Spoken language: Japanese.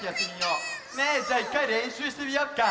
じゃあいっかいれんしゅうしてみよっか。